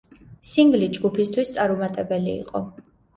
სინგლი ჯგუფისთვის წარუმატებელი იყო.